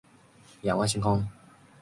仰望着星空